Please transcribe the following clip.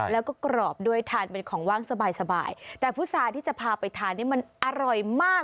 แล้วก็กรอบด้วยทานเป็นของว่างสบายสบายแต่พุษาที่จะพาไปทานนี่มันอร่อยมาก